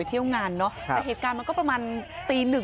ตอนนี้ก็ไม่มีอัศวินทรีย์ที่สุดขึ้นแต่ก็ไม่มีอัศวินทรีย์ที่สุดขึ้น